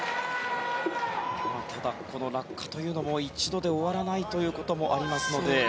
ただ、この落下というのも一度で終わらないということもありますので。